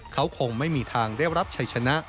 เขาคงไม่มีทางได้รับชัยชนะ